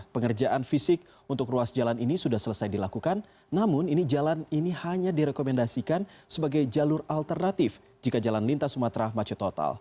pengerjaan fisik untuk ruas jalan ini sudah selesai dilakukan namun ini jalan ini hanya direkomendasikan sebagai jalur alternatif jika jalan lintas sumatera macet total